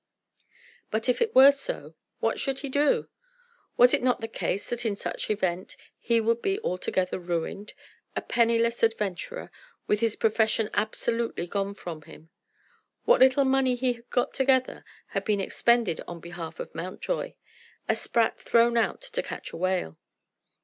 But if it were so, what should he do? Was it not the case that in such event he would be altogether ruined, a penniless adventurer with his profession absolutely gone from him? What little money he had got together had been expended on behalf of Mountjoy, a sprat thrown out to catch a whale.